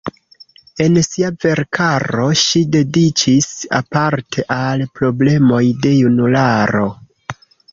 En sia verkaro ŝi dediĉis aparte al problemoj de junularo.